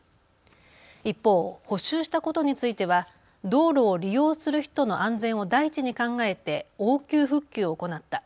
一方、補修したことについては道路を利用する人の安全を第一に考えて応急復旧を行った。